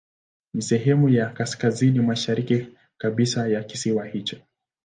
Ni sehemu ya kaskazini mashariki kabisa ya kisiwa hicho.